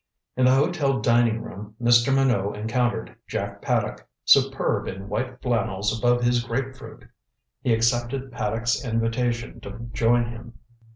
In the hotel dining room Mr. Minot encountered Jack Paddock, superb in white flannels above his grapefruit. He accepted Paddock's invitation to join him.